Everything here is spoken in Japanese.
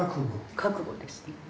覚悟ですね。